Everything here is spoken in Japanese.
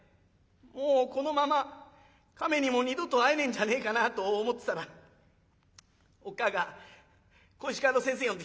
もうこのまま亀にも二度と会えねえんじゃねえかなと思ってたらおっ母ぁが小石川の先生呼んできちゃった。